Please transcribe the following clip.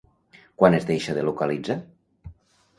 Quan es deixa de localitzar?